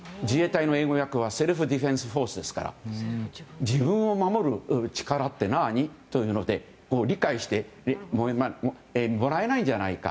自衛隊の英語の訳はセルフディフェンスフォースですから自分を守る力って何？と理解してもらえないんじゃないか。